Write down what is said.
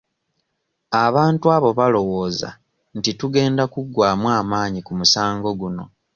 Abantu abo balowooza nti tugenda kuggwamu amaanyi ku musango guno.